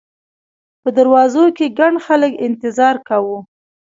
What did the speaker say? په دروازو کې ګڼ خلک انتظار کاوه.